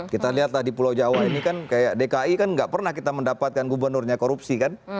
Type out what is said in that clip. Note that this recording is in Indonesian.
kita lihat tadi pulau jawa ini kan kayak dki kan nggak pernah kita mendapatkan gubernurnya korupsi kan